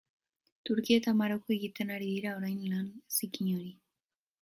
Turkia eta Maroko egiten ari dira orain lan zikin hori.